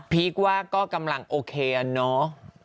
ว่าก็กำลังโอเคเนาะ